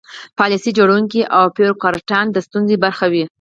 پالیسي جوړوونکي او بیروکراټان د ستونزې برخه وي.